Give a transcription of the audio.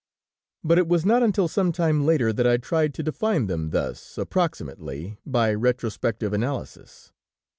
But it was not until some time later that I tried to define them thus approximately by retrospective analysis.